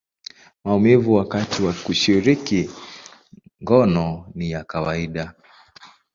maumivu wakati wa kushiriki ngono ni ya kawaida.